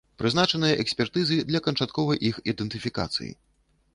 Прызначаныя экспертызы для канчатковай іх ідэнтыфікацыі.